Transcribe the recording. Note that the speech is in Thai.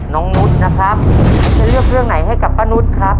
นุษย์นะครับจะเลือกเรื่องไหนให้กับป้านุษย์ครับ